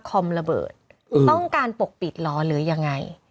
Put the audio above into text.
ระเบิดต้องการปกปิดเหรอหรือยังไง